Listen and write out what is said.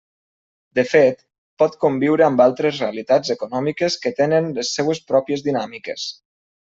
De fet, pot conviure amb altres realitats econòmiques que tenen les seues pròpies dinàmiques.